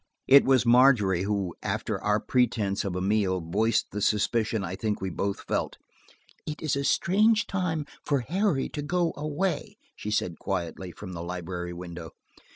It was Margery who, after our pretense of a meal, voiced the suspicion I think we both felt. "It is a strange time for Harry to go away," she said quietly, from the library window.